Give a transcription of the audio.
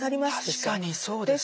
確かにそうです。